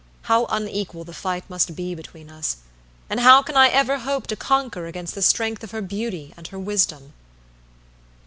How unequal the fight must be between us, and how can I ever hope to conquer against the strength of her beauty and her wisdom?"